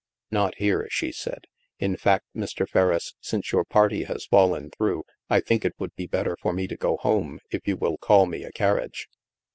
" Not here," she said. " In fact, Mr. Ferriss, since your party has fallen through, I think it would be better for me to go home, if you will call me a carriage."